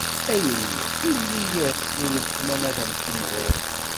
A yelli, ili-as i weltma-m, ad am-timɣur.